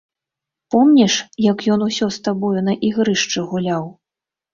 Помніш, як ён усё з табою на ігрышчы гуляў?